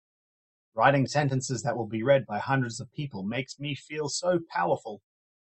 Writing sentences that will be read by hundreds of people makes me feel so powerful!